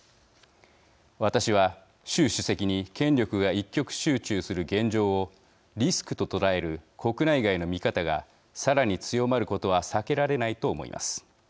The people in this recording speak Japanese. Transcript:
私は習主席に権力が一極集中する現状をリスクと捉える国内外の見方がさらに強まることは避けられないと思います。